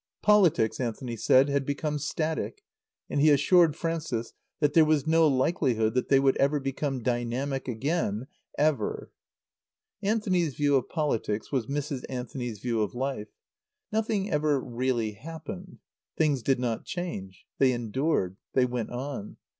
Politics, Anthony said, had become static; and he assured Frances that there was no likelihood that they would ever become dynamic again ever. Anthony's view of politics was Mrs. Anthony's view of life. Nothing ever really happened. Things did not change; they endured; they went on.